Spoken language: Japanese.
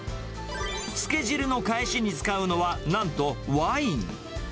つけ汁のかえしに使うのは、なんとワイン。